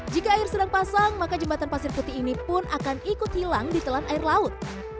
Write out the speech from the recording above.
jika air sedang pasang maka jembatan pasir putih ini pun akan ikut hilang di telan air laut